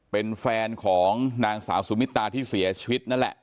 เป็นแฟนของนางสาวสุมิตาที่เสียชีวิตนั่นแหละ